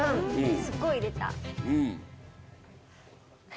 すごい入れた。